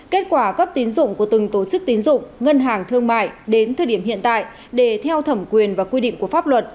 kết quả cấp tín dụng của từng tổ chức tín dụng ngân hàng thương mại đến thời điểm hiện tại để theo thẩm quyền và quy định của pháp luật